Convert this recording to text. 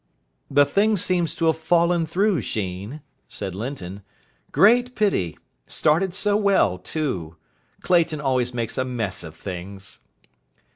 "The thing seems to have fallen through, Sheen," said Linton. "Great pity. Started so well, too. Clayton always makes a mess of things."